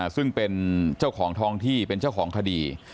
ซึ่งเป็นเจ้าของทองที่เป็นเจ้าของคดี